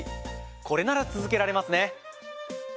これなら続けられますね。